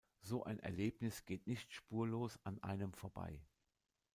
So ein Erlebnis geht nicht spurlos an einem vorbei.